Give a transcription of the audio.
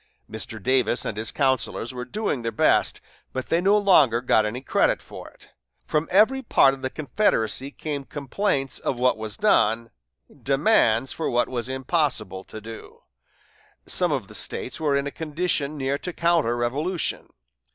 Mr. Davis and his councilors were doing their best, but they no longer got any credit for it. From every part of the Confederacy came complaints of what was done, demands for what was impossible to do. Some of the States were in a condition near to counter revolution.